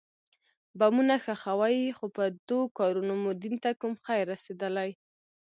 بمونه ښخوئ خو په دو کارونو مو دين ته کوم خير رسېدلى.